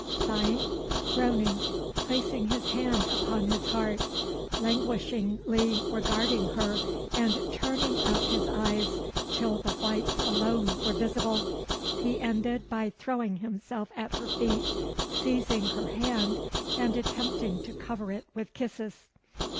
Sighing, groaning placing his hand upon his heart, languishingly regarding her, and turning up his eyes till the whites alone were visible, he ended by throwing himself at her feet, seizing her hand, and attempting to cover it with kisses.